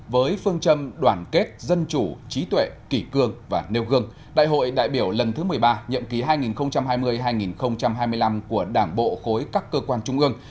với phương châm đoàn kết dân chủ trí tuệ kỷ cương và nêu gương đại hội đại biểu lần thứ một mươi ba nhậm ký hai nghìn hai mươi hai nghìn hai mươi năm của đảng bộ khối các cơ quan trung ương